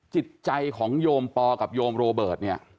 จิตใจของโยมปอกับโยมโรเบิร์ตเนี่ย